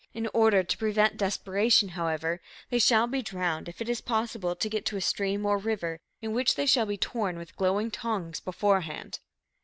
In order to prevent desperation, however, they shall be drowned if it is possible to get to a stream or river, in which they shall be torn with glowing tongs beforehand."